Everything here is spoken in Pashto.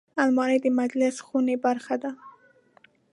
الماري د مجلس خونې برخه ده